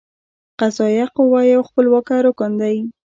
قضائیه قوه یو خپلواکه رکن دی.